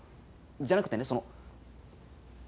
じゃなくてねその。